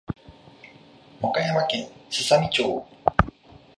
和歌山県すさみ町